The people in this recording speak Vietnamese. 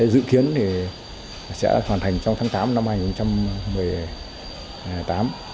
dự kiến sẽ hoàn thành trong tháng tám năm hai nghìn một mươi tám